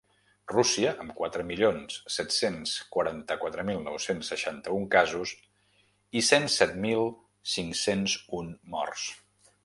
Rússia, amb quatre milions set-cents quaranta-quatre mil nou-cents seixanta-un casos i cent set mil cinc-cents un morts.